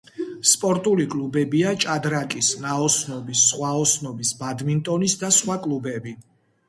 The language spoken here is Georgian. სპორტული კლუბებია ჭადრაკის, ნაოსნობის, ზღვაოსნობის, ბადმინტონის და სხვა კლუბები.